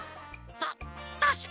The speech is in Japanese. たたしかに。